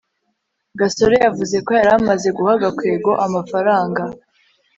gasore yavuze ko yari amaze guha gakwego amafaranga